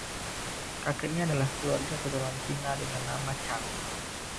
Kakeknya adalah keluarga keturunan Cina dengan nama Chang.